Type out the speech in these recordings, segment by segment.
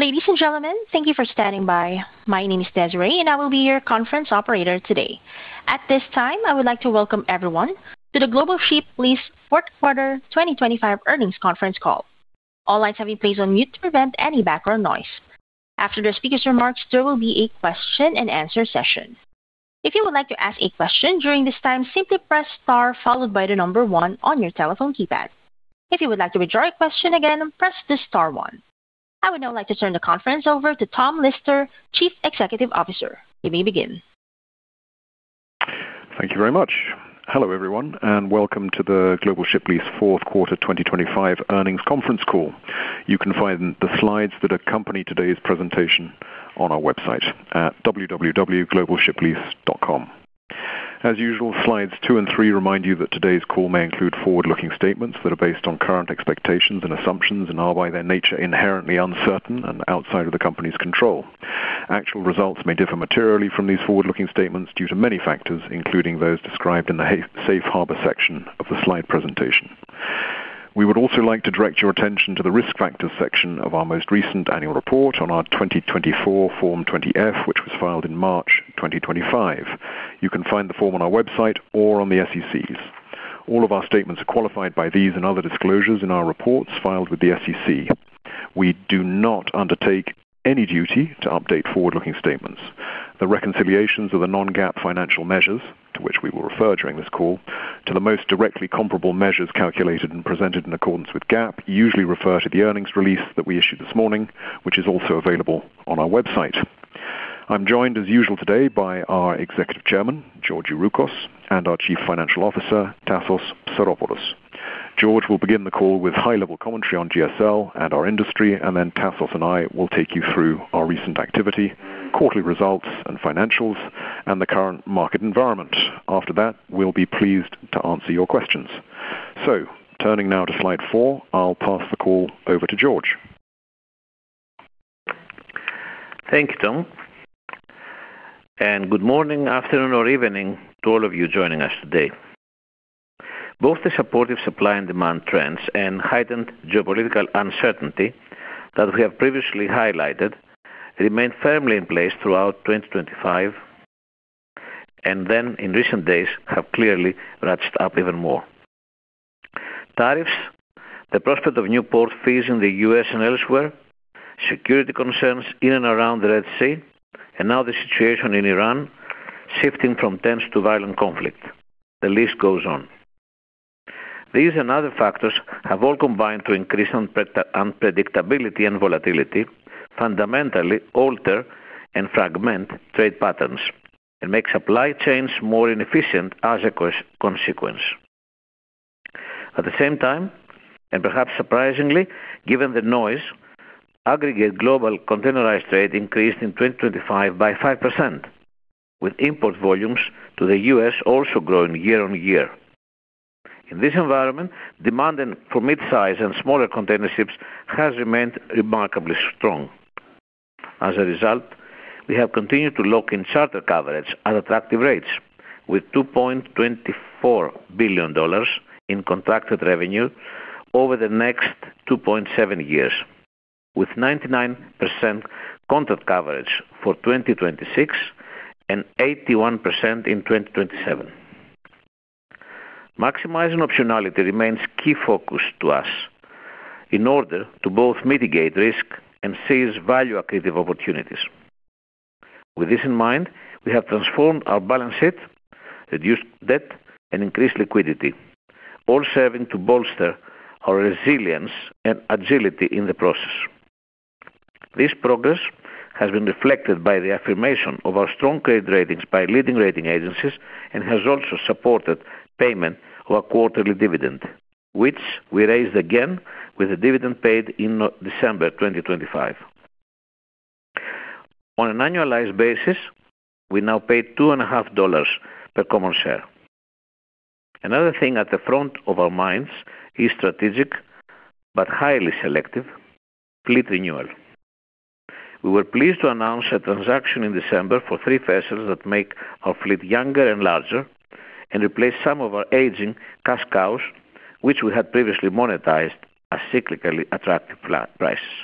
Ladies and gentlemen, thank you for standing by. My name is Desiree, and I will be your conference operator today. At this time, I would like to welcome everyone to the Global Ship Lease Fourth Quarter 2025 Earnings Conference Call. All lines have been placed on mute to prevent any background noise. After the speaker's remarks, there will be a question-and-answer session. If you would like to ask a question during this time, simply press star followed by the number one on your telephone keypad. If you would like to withdraw a question again, press the star one. I would now like to turn the conference over to Tom Lister, Chief Executive Officer. You may begin. Thank you very much. Hello, everyone, welcome to the Global Ship Lease fourth quarter 2025 earnings conference call. You can find the slides that accompany today's presentation on our website at www.globalshiplease.com. As usual, slides two and three remind you that today's call may include forward-looking statements that are based on current expectations and assumptions and are, by their nature, inherently uncertain and outside of the company's control. Actual results may differ materially from these forward-looking statements due to many factors, including those described in the safe harbor section of the slide presentation. We would also like to direct your attention to the Risk Factors section of our most recent annual report on our 2024 Form 20-F, which was filed in March 2025. You can find the form on our website or on the SEC's. All of our statements are qualified by these and other disclosures in our reports filed with the SEC. We do not undertake any duty to update forward-looking statements. The reconciliations of the non-GAAP financial measures to which we will refer during this call to the most directly comparable measures calculated and presented in accordance with GAAP usually refer to the earnings release that we issued this morning, which is also available on our website. I'm joined, as usual today, by our Executive Chairman, George Youroukos, and our Chief Financial Officer, Tassos Psaropoulos. George will begin the call with high-level commentary on GSL and our industry, and then Tassos and I will take you through our recent activity, quarterly results and financials, and the current market environment. After that, we'll be pleased to answer your questions. Turning now to slide four, I'll pass the call over to George. Thank you, Tom. Good morning, afternoon or evening to all of you joining us today. Both the supportive supply and demand trends and heightened geopolitical uncertainty that we have previously highlighted remained firmly in place throughout 2025, and then in recent days have clearly ratcheted up even more. Tariffs, the prospect of new port fees in the U.S. and elsewhere, security concerns in and around the Red Sea, and now the situation in Iran shifting from tense to violent conflict. The list goes on. These and other factors have all combined to increase unpredictability and volatility, fundamentally alter and fragment trade patterns, and make supply chains more inefficient as a consequence. At the same time, and perhaps surprisingly, given the noise, aggregate global containerized trade increased in 2025 by 5%, with import volumes to the U.S. also growing year-on-year. In this environment, demand for mid-size and smaller container ships has remained remarkably strong. As a result, we have continued to lock in charter coverage at attractive rates with $2.24 billion in contracted revenue over the next 2.7 years, with 99% contract coverage for 2026 and 81% in 2027. Maximizing optionality remains key focus to us in order to both mitigate risk and seize value accretive opportunities. With this in mind, we have transformed our balance sheet, reduced debt and increased liquidity, all serving to bolster our resilience and agility in the process. This progress has been reflected by the affirmation of our strong credit ratings by leading rating agencies and has also supported payment of our quarterly dividend, which we raised again with a dividend paid in December 2025. On an annualized basis, we now pay two and a half dollars per common share. Another thing at the front of our minds is strategic but highly selective fleet renewal. We were pleased to announce a transaction in December for three vessels that make our fleet younger and larger and replace some of our aging cash cows, which we had previously monetized at cyclically attractive prices.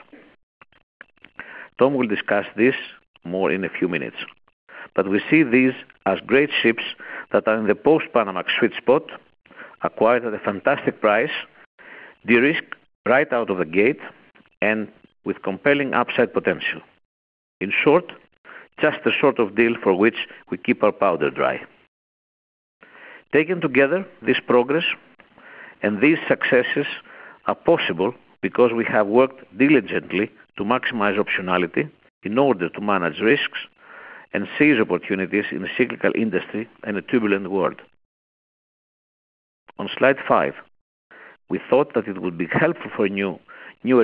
Tom will discuss this more in a few minutes. We see these as great ships that are in the Post-Panamax sweet spot, acquired at a fantastic price, de-risk right out of the gate and with compelling upside potential. In short, just the sort of deal for which we keep our powder dry. Taken together, this progress and these successes are possible because we have worked diligently to maximize optionality in order to manage risks and seize opportunities in a cyclical industry and a turbulent world. On slide five, we thought that it would be helpful for newer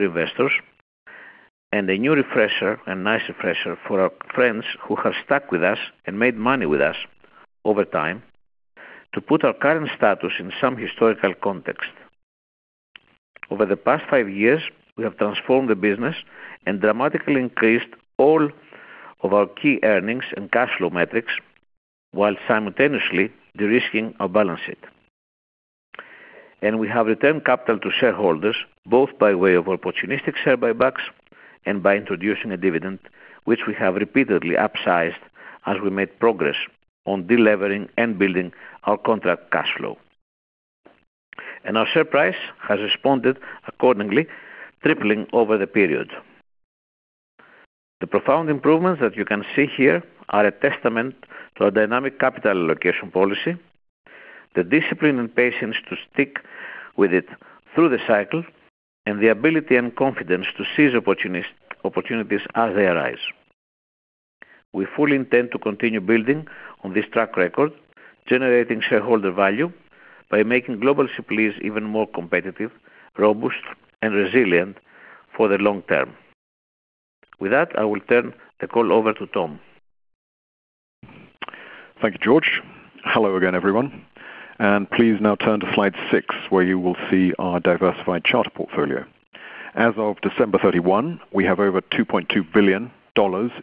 investors and a new refresher, a nice refresher for our friends who have stuck with us and made money with us over time to put our current status in some historical context. Over the past five years, we have transformed the business and dramatically increased all of our key earnings and cash flow metrics while simultaneously de-risking our balance sheet. We have returned capital to shareholders, both by way of opportunistic share buybacks and by introducing a dividend, which we have repeatedly upsized as we made progress on delevering and building our contract cash flow. Our share price has responded accordingly, tripling over the period. The profound improvements that you can see here are a testament to a dynamic capital allocation policy, the discipline and patience to stick with it through the cycle, and the ability and confidence to seize opportunities as they arise. We fully intend to continue building on this track record, generating shareholder value by making global supplies even more competitive, robust and resilient for the long term. With that, I will turn the call over to Tom. Thank you, George. Hello again, everyone. Please now turn to slide six, where you will see our diversified charter portfolio. As of December 31, we have over $2.2 billion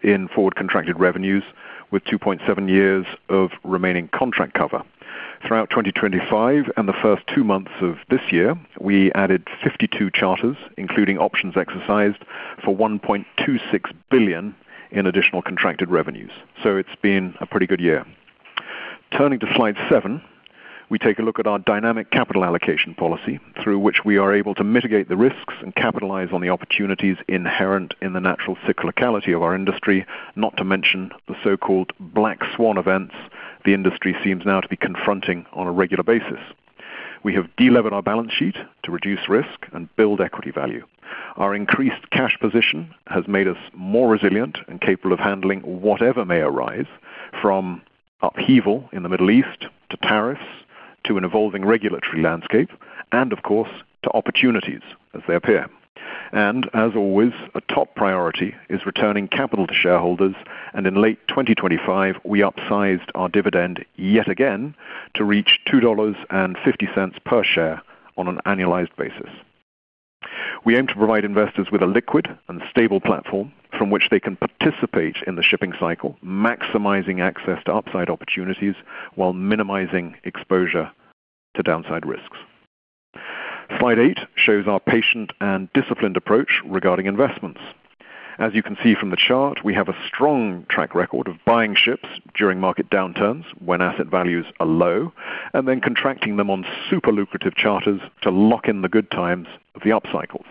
in forward contracted revenues with 2.7 years of remaining contract cover. Throughout 2025 and the first two months of this year, we added 52 charters, including options exercised for $1.26 billion in additional contracted revenues. It's been a pretty good year. Turning to slide seven, we take a look at our dynamic capital allocation policy through which we are able to mitigate the risks and capitalize on the opportunities inherent in the natural cyclicality of our industry, not to mention the so-called black swan events the industry seems now to be confronting on a regular basis. We have delevered our balance sheet to reduce risk and build equity value. Our increased cash position has made us more resilient and capable of handling whatever may arise, from upheaval in the Middle East to tariffs to an evolving regulatory landscape and, of course, to opportunities as they appear. As always, a top priority is returning capital to shareholders. In late 2025, we upsized our dividend yet again to reach $2.50 per share on an annualized basis. We aim to provide investors with a liquid and stable platform from which they can participate in the shipping cycle, maximizing access to upside opportunities while minimizing exposure to downside risks. Slide eight shows our patient and disciplined approach regarding investments. As you can see from the chart, we have a strong track record of buying ships during market downturns when asset values are low and then contracting them on super lucrative charters to lock in the good times of the upcycles.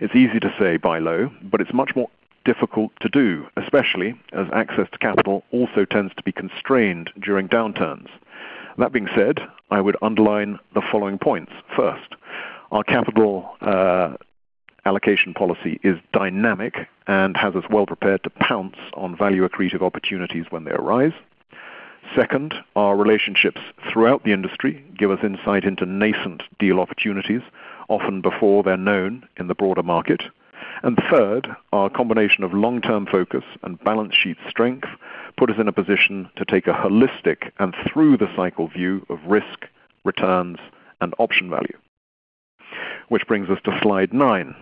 It's easy to say buy low, but it's much more difficult to do, especially as access to capital also tends to be constrained during downturns. That being said, I would underline the following points. First, our capital allocation policy is dynamic and has us well prepared to pounce on value accretive opportunities when they arise. Second, our relationships throughout the industry give us insight into nascent deal opportunities, often before they're known in the broader market. Third, our combination of long-term focus and balance sheet strength put us in a position to take a holistic and through-the-cycle view of risk, returns, and option value. Brings us to slide nine.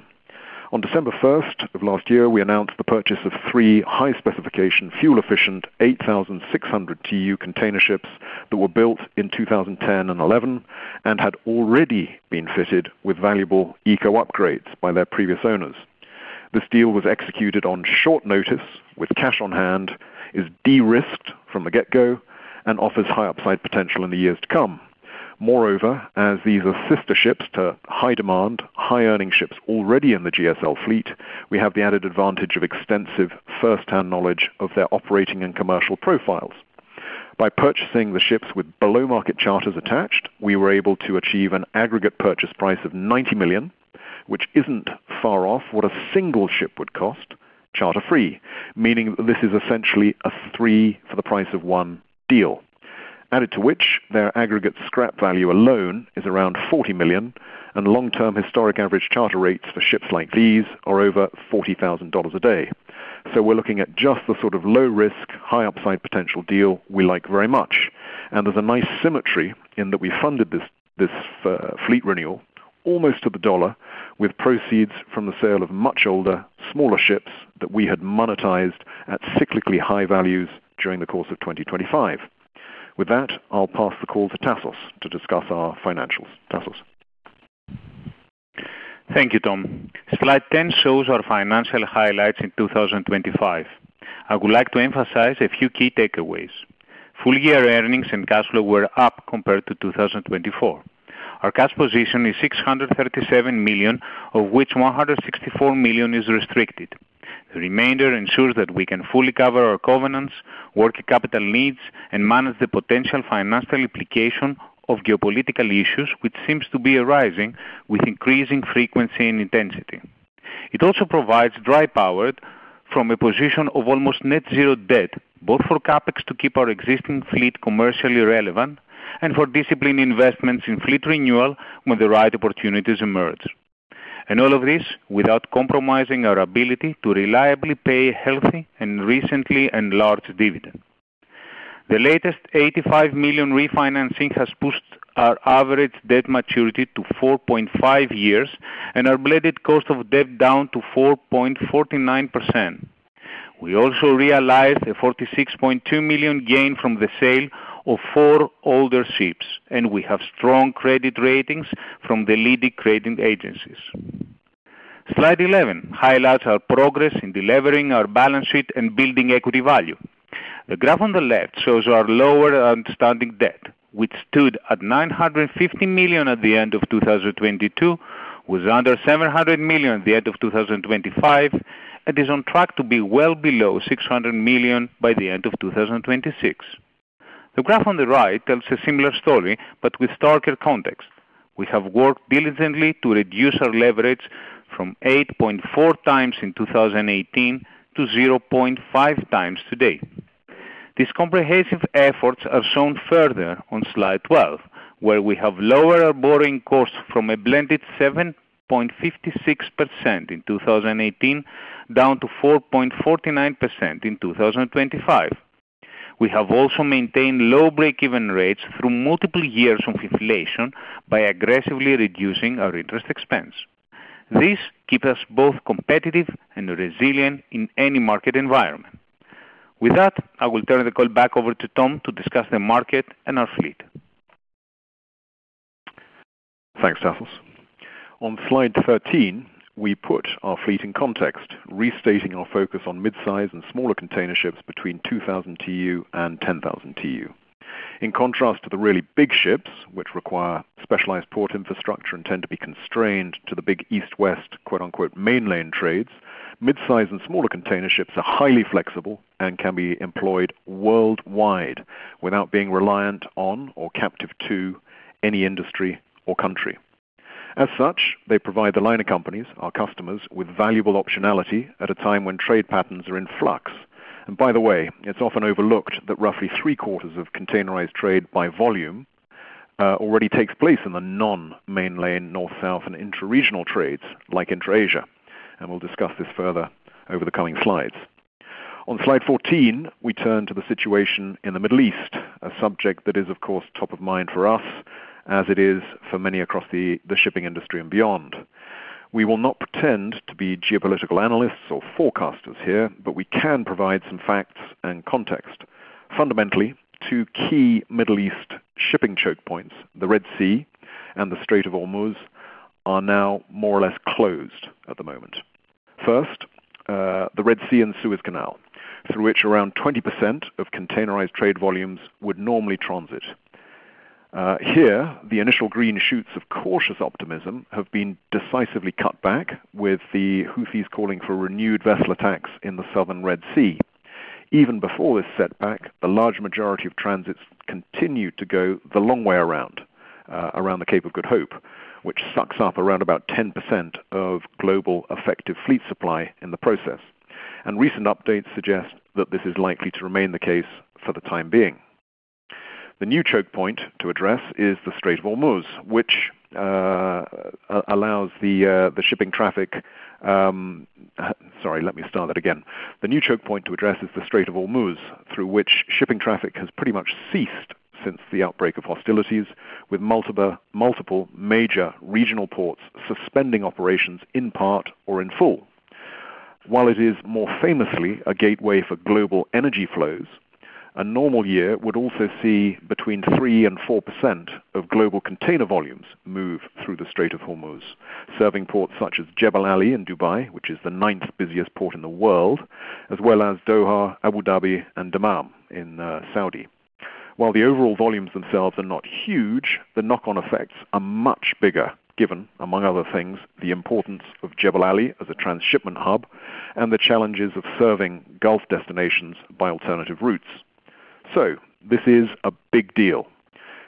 On December first of last year, we announced the purchase of three high-specification, fuel-efficient 8,600 TEU container ships that were built in 2010 and 2011 and had already been fitted with valuable eco upgrades by their previous owners. This deal was executed on short notice with cash on hand, is de-risked from the get-go, and offers high upside potential in the years to come. As these are sister ships to high demand, high earning ships already in the GSL fleet, we have the added advantage of extensive first-hand knowledge of their operating and commercial profiles. By purchasing the ships with below-market charters attached, we were able to achieve an aggregate purchase price of $90 million, which isn't far off what a single ship would cost charter-free. Meaning this is essentially a three-for-the-price-of-one deal. Added to which, their aggregate scrap value alone is around $40 million. Long-term historic average charter rates for ships like these are over $40,000 a day. We're looking at just the sort of low risk, high upside potential deal we like very much. There's a nice symmetry in that we funded this fleet renewal almost to the dollar with proceeds from the sale of much older, smaller ships that we had monetized at cyclically high values during the course of 2025. With that, I'll pass the call to Tassos to discuss our financials. Tassos. Thank you, Tom. Slide 10 shows our financial highlights in 2025. I would like to emphasize a few key takeaways. Full-year earnings and cash flow were up compared to 2024. Our cash position is $637 million, of which $164 million is restricted. The remainder ensures that we can fully cover our covenants, working capital needs, and manage the potential financial implication of geopolitical issues, which seems to be arising with increasing frequency and intensity. It also provides dry power from a position of almost net zero debt, both for CapEx to keep our existing fleet commercially relevant and for disciplined investments in fleet renewal when the right opportunities emerge. All of this without compromising our ability to reliably pay healthy and recently enlarged dividend. The latest $85 million refinancing has pushed our average debt maturity to 4.5 years and our blended cost of debt down to 4.49%. We also realized a $46.2 million gain from the sale of four older ships, and we have strong credit ratings from the leading rating agencies. Slide 11 highlights our progress in delivering our balance sheet and building equity value. The graph on the left shows our lower understanding debt, which stood at $950 million at the end of 2022, was under $700 million at the end of 2025, and is on track to be well below $600 million by the end of 2026. The graph on the right tells a similar story, but with starker context. We have worked diligently to reduce our leverage from 8.4x in 2018 to 0.5x today. These comprehensive efforts are shown further on slide 12, where we have lowered our borrowing costs from a blended 7.56% in 2018 down to 4.49% in 2025. We have also maintained low break-even rates through multiple years of inflation by aggressively reducing our interest expense. This keeps us both competitive and resilient in any market environment. With that, I will turn the call back over to Tom to discuss the market and our fleet. Thanks, Tassos. On slide 13, we put our fleet in context, restating our focus on mid-size and smaller container ships between 2,000 TEU and 10,000 TEU. In contrast to the really big ships, which require specialized port infrastructure and tend to be constrained to the big East-West quote-unquote "mainline trades," mid-size and smaller container ships are highly flexible and can be employed worldwide without being reliant on or captive to any industry or country. As such, they provide the liner companies, our customers, with valuable optionality at a time when trade patterns are in flux. By the way, it's often overlooked that roughly 3/4 of containerized trade by volume already takes place in the non-mainline North, South, and intra-regional trades like intra-Asia. We'll discuss this further over the coming slides. On slide 14, we turn to the situation in the Middle East, a subject that is, of course, top of mind for us as it is for many across the shipping industry and beyond. We will not pretend to be geopolitical analysts or forecasters here, but we can provide some facts and context. Fundamentally, two key Middle East shipping choke points, the Red Sea and the Strait of Hormuz, are now more or less closed at the moment. First, the Red Sea and Suez Canal, through which around 20% of containerized trade volumes would normally transit. Here, the initial green shoots of cautious optimism have been decisively cut back with the Houthis calling for renewed vessel attacks in the Southern Red Sea. Even before this setback, the large majority of transits continued to go the long way around the Cape of Good Hope, which sucks up around about 10% of global effective fleet supply in the process. Recent updates suggest that this is likely to remain the case for the time being. The new choke point to address is the Strait of Hormuz, through which shipping traffic has pretty much ceased since the outbreak of hostilities, with multiple major regional ports suspending operations in part or in full. While it is more famously a gateway for global energy flows, a normal year would also see between 3% and 4% of global container volumes move through the Strait of Hormuz, serving ports such as Jebel Ali in Dubai, which is the ninth busiest port in the world, as well as Doha, Abu Dhabi, and Dammam in Saudi. While the overall volumes themselves are not huge, the knock-on effects are much bigger given, among other things, the importance of Jebel Ali as a transshipment hub and the challenges of serving Gulf destinations by alternative routes. This is a big deal.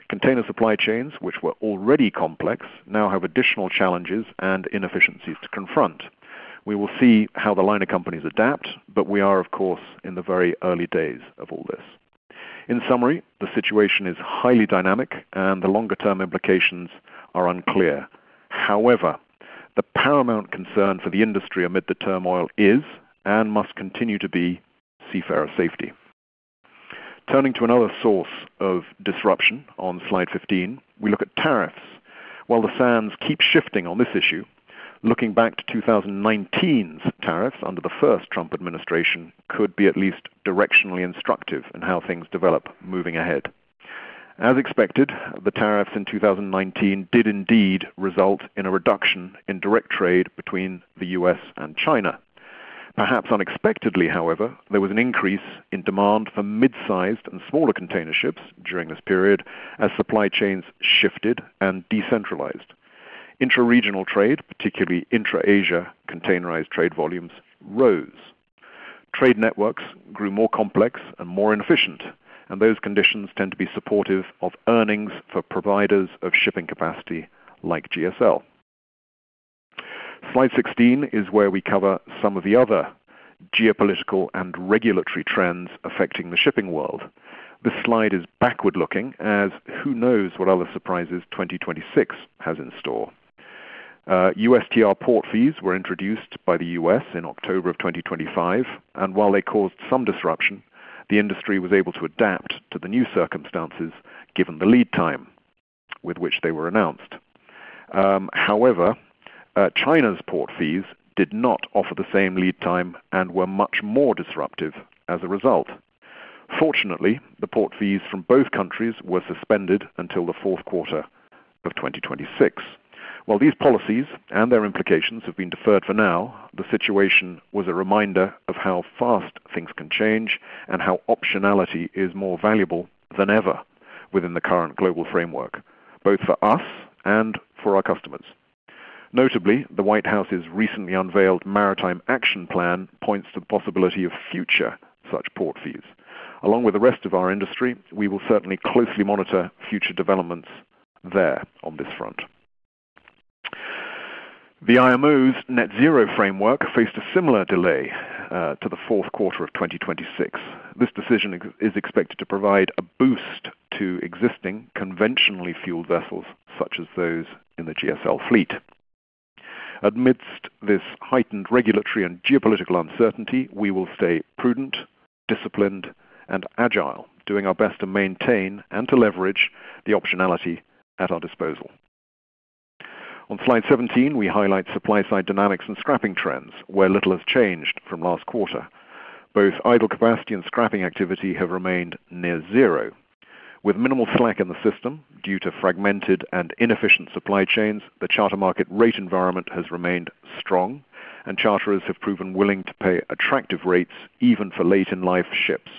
Container supply chains, which were already complex, now have additional challenges and inefficiencies to confront. We will see how the liner companies adapt, we are, of course, in the very early days of all this. In summary, the situation is highly dynamic and the longer-term implications are unclear. However, the paramount concern for the industry amid the turmoil is and must continue to be seafarer safety. Turning to another source of disruption on slide 15, we look at tariffs. While the sands keep shifting on this issue, looking back to 2019's tariffs under the first Trump administration could be at least directionally instructive in how things develop moving ahead. As expected, the tariffs in 2019 did indeed result in a reduction in direct trade between the U.S. and China. Perhaps unexpectedly, however, there was an increase in demand for mid-sized and smaller container ships during this period as supply chains shifted and decentralized. Intra-regional trade, particularly intra-Asia containerized trade volumes, rose. Trade networks grew more complex and more inefficient, and those conditions tend to be supportive of earnings for providers of shipping capacity like GSL. Slide 16 is where we cover some of the other geopolitical and regulatory trends affecting the shipping world. This slide is backward-looking, as who knows what other surprises 2026 has in store. USTR port fees were introduced by the U.S. in October of 2025, and while they caused some disruption, the industry was able to adapt to the new circumstances given the lead time with which they were announced. However, China's port fees did not offer the same lead time and were much more disruptive as a result. Fortunately, the port fees from both countries were suspended until the fourth quarter of 2026. While these policies and their implications have been deferred for now, the situation was a reminder of how fast things can change and how optionality is more valuable than ever within the current global framework, both for us and for our customers. Notably, the White House's recently unveiled Maritime Action Plan points to the possibility of future such port fees. Along with the rest of our industry, we will certainly closely monitor future developments there on this front. The IMO's IMO Net-Zero Framework faced a similar delay to the fourth quarter of 2026. This decision is expected to provide a boost to existing conventionally fueled vessels such as those in the GSL fleet. Amidst this heightened regulatory and geopolitical uncertainty, we will stay prudent, disciplined, and agile. Doing our best to maintain and to leverage the optionality at our disposal. On slide 17, we highlight supply-side dynamics and scrapping trends where little has changed from last quarter. Both idle capacity and scrapping activity have remained near zero. With minimal slack in the system due to fragmented and inefficient supply chains, the charter market rate environment has remained strong and charterers have proven willing to pay attractive rates even for late-in-life ships.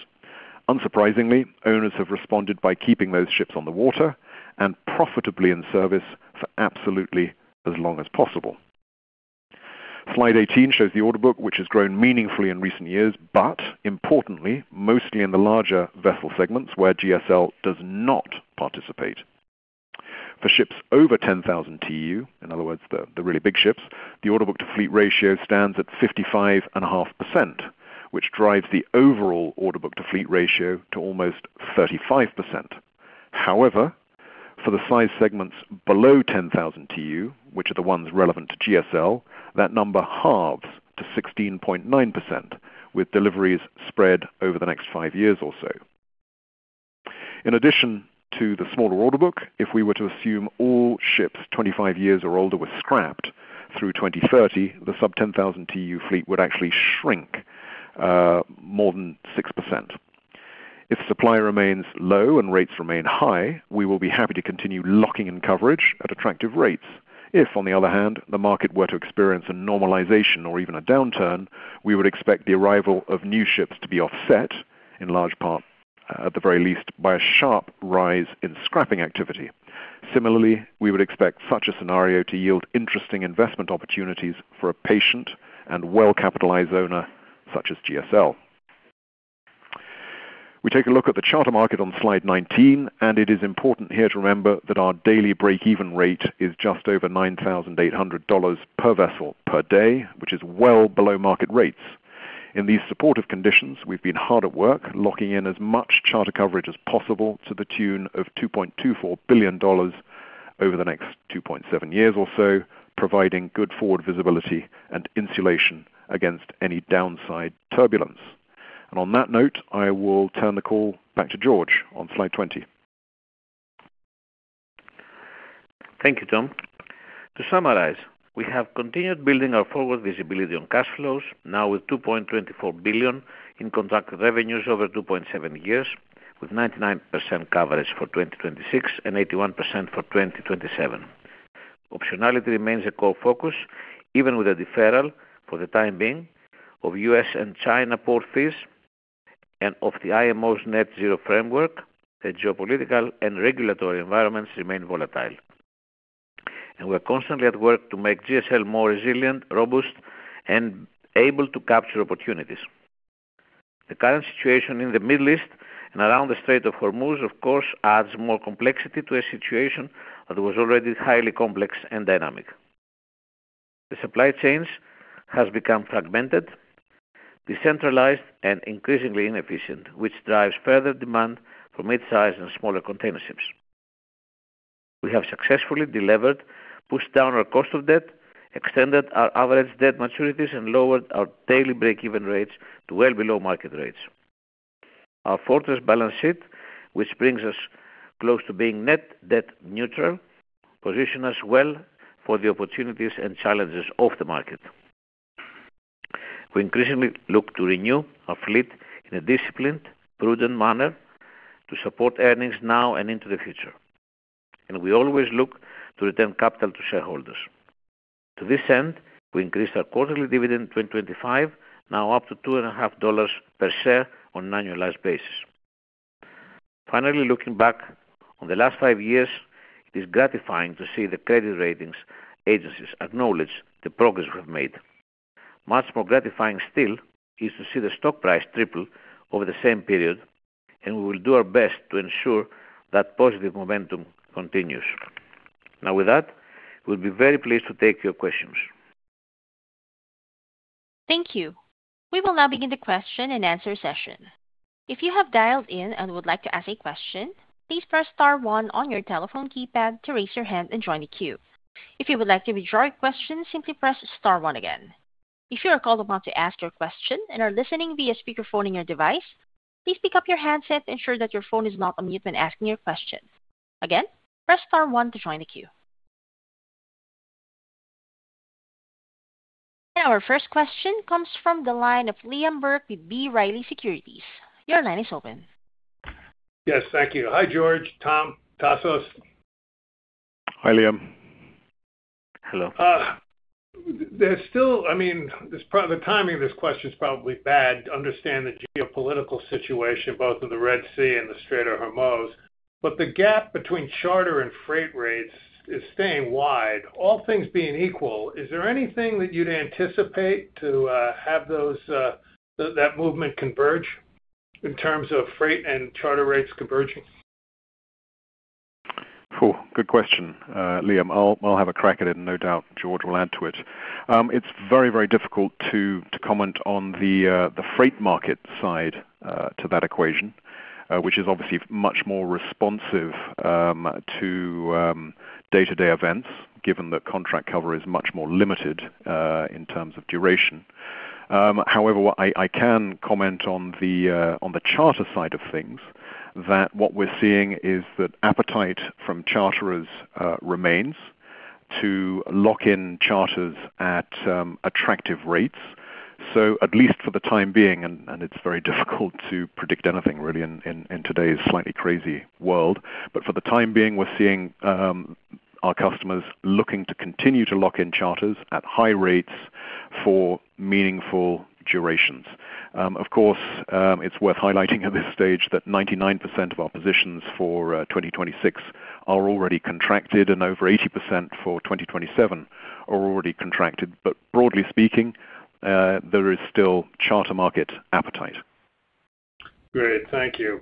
Unsurprisingly, owners have responded by keeping those ships on the water and profitably in service for absolutely as long as possible. Slide 18 shows the order book, which has grown meaningfully in recent years, but importantly, mostly in the larger vessel segments where GSL does not participate. For ships over 10,000 TEU, in other words, the really big ships, the order book to fleet ratio stands at 55.5%, which drives the overall order book to fleet ratio to almost 35%. For the size segments below 10,000 TEU, which are the ones relevant to GSL, that number halves to 16.9% with deliveries spread over the next five years or so. In addition to the smaller order book, if we were to assume all ships 25 years or older were scrapped through 2030, the sub 10,000 TEU fleet would actually shrink more than 6%. If supply remains low and rates remain high, we will be happy to continue locking in coverage at attractive rates. If, on the other hand, the market were to experience a normalization or even a downturn, we would expect the arrival of new ships to be offset in large part, at the very least, by a sharp rise in scrapping activity. Similarly, we would expect such a scenario to yield interesting investment opportunities for a patient and well-capitalized owner such as GSL. We take a look at the charter market on slide 19. It is important here to remember that our daily break-even rate is just over $9,800 per vessel per day, which is well below market rates. In these supportive conditions, we've been hard at work locking in as much charter coverage as possible to the tune of $2.24 billion over the next 2.7 years or so, providing good forward visibility and insulation against any downside turbulence. On that note, I will turn the call back to George on slide 20. Thank you, Tom. To summarize, we have continued building our forward visibility on cash flows now with $2.24 billion in contracted revenues over 2.7 years with 99% coverage for 2026 and 81% for 2027. Optionality remains a core focus even with a deferral for the time being of U.S. and China port fees and of the IMO's IMO Net-Zero Framework. The geopolitical and regulatory environments remain volatile. We're constantly at work to make GSL more resilient, robust, and able to capture opportunities. The current situation in the Middle East and around the Strait of Hormuz, of course, adds more complexity to a situation that was already highly complex and dynamic. The supply chains has become fragmented, decentralized, and increasingly inefficient, which drives further demand for mid-size and smaller container ships. We have successfully delivered, pushed down our cost of debt, extended our average debt maturities, and lowered our daily break-even rates to well below market rates. Our fortress balance sheet, which brings us close to being net debt neutral, position us well for the opportunities and challenges of the market. We increasingly look to renew our fleet in a disciplined, prudent manner to support earnings now and into the future. We always look to return capital to shareholders. To this end, we increased our quarterly dividend in 2025, now up to $2.5 per share on an annualized basis. Finally, looking back on the last five years, it is gratifying to see the credit ratings agencies acknowledge the progress we have made. Much more gratifying still is to see the stock price triple over the same period. We will do our best to ensure that positive momentum continues. With that, we'll be very pleased to take your questions. Thank you. We will now begin the question and answer session. If you have dialed in and would like to ask a question, please press star one on your telephone keypad to raise your hand and join the queue. If you would like to withdraw your question, simply press star one again. If you are called upon to ask your question and are listening via speakerphone in your device, please pick up your handset to ensure that your phone is not on mute when asking your question. Again, press star one to join the queue. Our first question comes from the line of Liam Burke with B. Riley Securities. Your line is open. Yes, thank you. Hi, George, Tom, Tassos. Hi, Liam. Hello. I mean, the timing of this question is probably bad to understand the geopolitical situation, both of the Red Sea and the Strait of Hormuz, but the gap between charter and freight rates is staying wide. All things being equal, is there anything that you'd anticipate to have those that movement converge in terms of freight and charter rates converging? Good question, Liam. I'll have a crack at it. No doubt George will add to it. It's very, very difficult to comment on the freight market side to that equation, which is obviously much more responsive to day-to-day events, given that contract cover is much more limited in terms of duration. However, what I can comment on the charter side of things, that what we're seeing is that appetite from charterers remains to lock in charters at attractive rates. At least for the time being, and it's very difficult to predict anything really in today's slightly crazy world. For the time being, we're seeing our customers looking to continue to lock in charters at high rates for meaningful durations. Of course, it's worth highlighting at this stage that 99% of our positions for 2026 are already contracted and over 80% for 2027 are already contracted. Broadly speaking, there is still charter market appetite. Great. Thank you.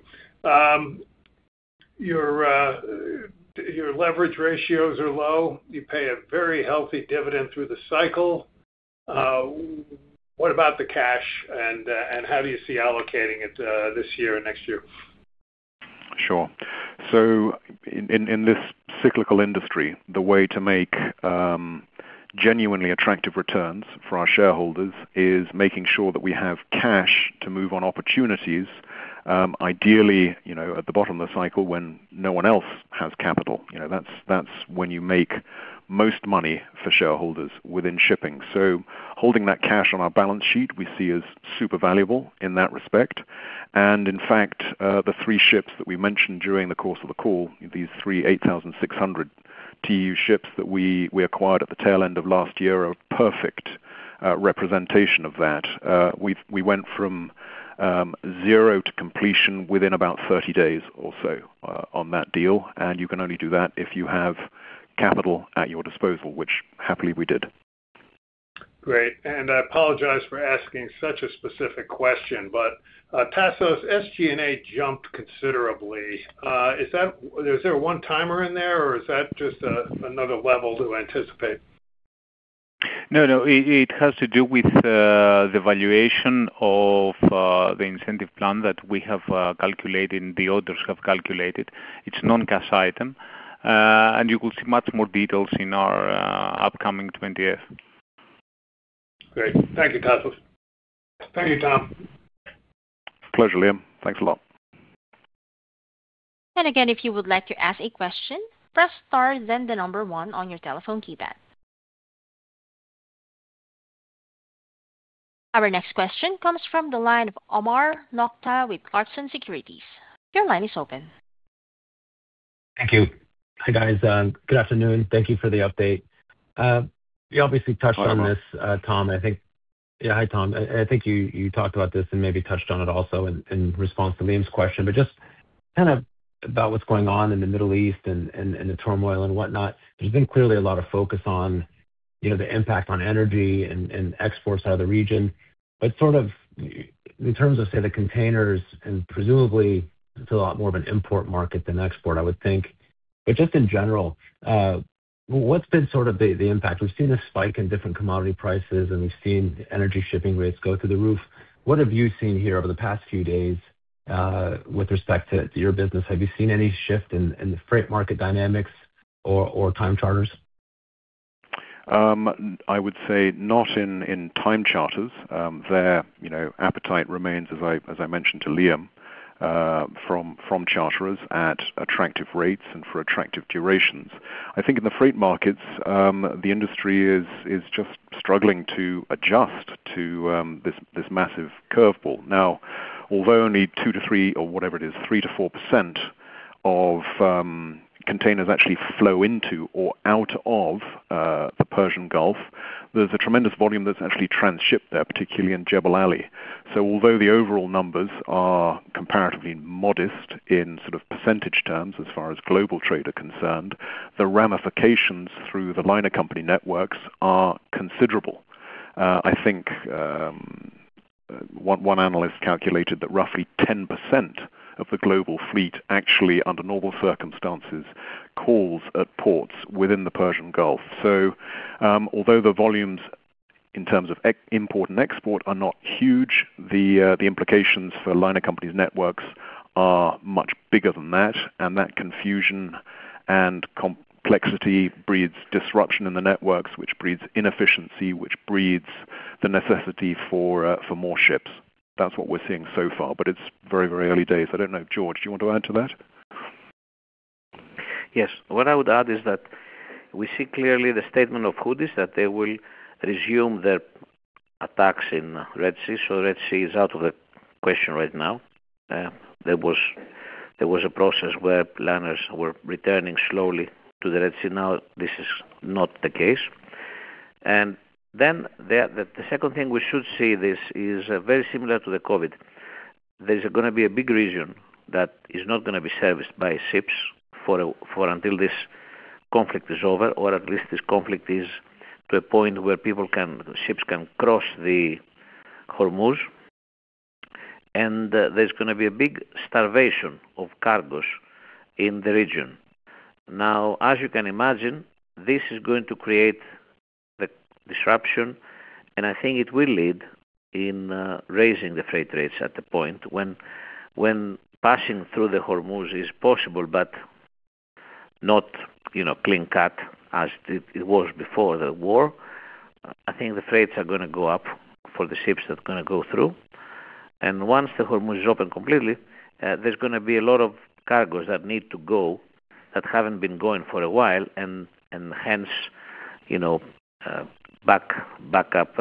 Your leverage ratios are low. You pay a very healthy dividend through the cycle. What about the cash and how do you see allocating it this year or next year? Sure. In this cyclical industry, the way to make genuinely attractive returns for our shareholders is making sure that we have cash to move on opportunities, ideally, you know, at the bottom of the cycle when no one else has capital. You know, that's when you make most money for shareholders within shipping. Holding that cash on our balance sheet, we see as super valuable in that respect. And in fact, the three ships that we mentioned during the course of the call, these 3 8,600 TEU ships that we acquired at the tail end of last year are a perfect representation of that. We went from zero to completion within about 30 days or so, on that deal. You can only do that if you have capital at your disposal, which happily we did. Great. I apologize for asking such a specific question, but Tasos, SG&A jumped considerably. Is there a one-timer in there, or is that just another level to anticipate? No, no. It has to do with the valuation of the incentive plan that we have calculated and the others have calculated. It's non-cash item. You will see much more details in our upcoming 20-F. Great. Thank you, Tassos. Thank you, Tom. Pleasure, Liam. Thanks a lot. Again, if you would like to ask a question, press star then the number one on your telephone keypad. Our next question comes from the line of Omar Nokta with Clarksons Securities. Your line is open. Thank you. Hi, guys. Good afternoon. Thank you for the update. You obviously touched on this... Hi, Omar. Tom, I think. Yeah, hi, Tom. I think you talked about this and maybe touched on it also in response to Liam's question, just kind of about what's going on in the Middle East and the turmoil and whatnot. There's been clearly a lot of focus on, you know, the impact on energy and exports out of the region. Sort of in terms of, say, the containers and presumably it's a lot more of an import market than export, I would think. Just in general, what's been sort of the impact? We've seen a spike in different commodity prices, and we've seen energy shipping rates go through the roof. What have you seen here over the past few days with respect to your business? Have you seen any shift in the freight market dynamics or time charters? I would say not in time charters. Their, you know, appetite remains, as I mentioned to Liam, from charterers at attractive rates and for attractive durations. I think in the freight markets, the industry is just struggling to adjust to this massive curveball. Now, although only 2%-3% or whatever it is, 3%-4% of containers actually flow into or out of the Persian Gulf, there's a tremendous volume that's actually transshipped there, particularly in Jebel Ali. Although the overall numbers are comparatively modest in sort of percentage terms as far as global trade are concerned, the ramifications through the liner company networks are considerable. I think one analyst calculated that roughly 10% of the global fleet actually, under normal circumstances, calls at ports within the Persian Gulf. Although the volumes in terms of import and export are not huge, the implications for liner companies' networks are much bigger than that. That confusion and complexity breeds disruption in the networks, which breeds inefficiency, which breeds the necessity for more ships. That's what we're seeing so far, but it's very, very early days. I don't know. George, do you want to add to that? Yes. What I would add is that we see clearly the statement of Houthis that they will resume their attacks in Red Sea. Red Sea is out of the question right now. There was a process where planners were returning slowly to the Red Sea. Now, this is not the case. The second thing we should see this is very similar to the COVID. There's gonna be a big region that is not gonna be serviced by ships for until this conflict is over or at least this conflict is to a point where ships can cross the Hormuz, and there's gonna be a big starvation of cargos in the region. As you can imagine, this is going to create the disruption, and I think it will lead in raising the freight rates at the point when passing through the Hormuz is possible, but not, you know, clean-cut as it was before the war. I think the freights are gonna go up for the ships that's gonna go through. Once the Hormuz is open completely, there's gonna be a lot of cargos that need to go, that haven't been going for a while and hence, you know, back up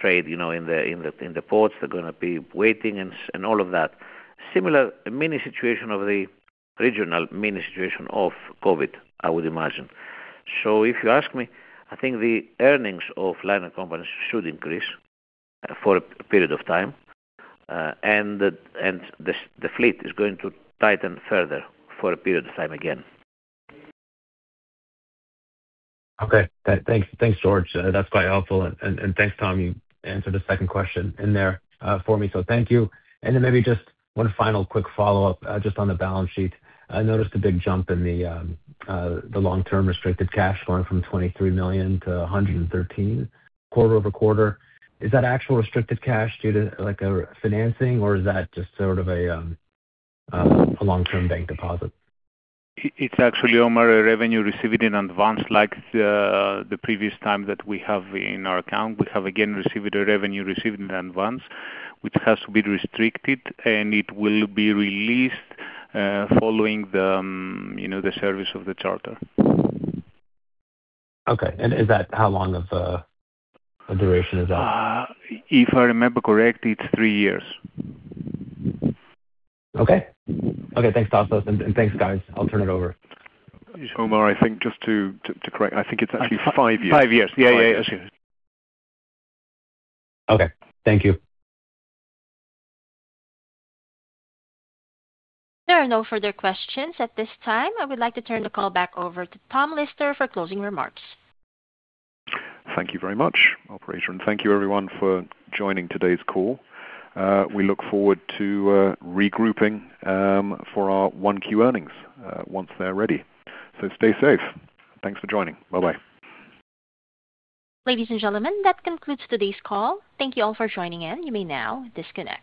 trade, you know, in the ports. They're gonna be waiting and all of that. Similar mini situation of the regional mini situation of COVID, I would imagine. If you ask me, I think the earnings of liner companies should increase for a period of time, and the fleet is going to tighten further for a period of time again. Okay. Thanks, George. That's quite helpful. Thanks, Tom, you answered the second question in there for me. Thank you. Maybe just one final quick follow-up just on the balance sheet. I noticed a big jump in the long-term restricted cash going from $23 million to $113 million quarter-over-quarter. Is that actual restricted cash due to like a financing or is that just sort of a long-term bank deposit? It's actually, Omar, a revenue received in advance like the previous time that we have in our account. We have, again, received a revenue received in advance, which has to be restricted, and it will be released, following the, you know, the service of the charter. Okay. Is that how long of a duration is that? If I remember correctly, it's three years. Okay, thanks, Tassos. Thanks, guys. I'll turn it over. Omar, I think just to correct. I think it's actually five years. Five years. Yeah, yeah. Excuse me. Okay. Thank you. There are no further questions at this time. I would like to turn the call back over to Tom Lister for closing remarks. Thank you very much, operator, and thank you everyone for joining today's call. We look forward to regrouping for our 1Q earnings once they're ready. Stay safe. Thanks for joining. Bye-bye. Ladies and gentlemen, that concludes today's call. Thank you all for joining in. You may now disconnect.